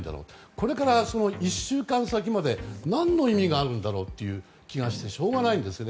これから１週間先まで何の意味があるんだろうという気がしてしょうがないんですね。